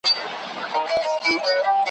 د شګوفو تر ونو لاندي دمه سوم `